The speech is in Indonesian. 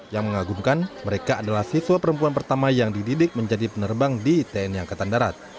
yang mengagumkan mereka adalah siswa perempuan pertama yang dididik menjadi penerbang di tni angkatan darat